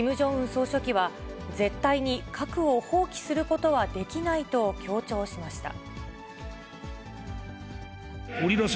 総書記は、絶対に核を放棄することはできないと強調しました。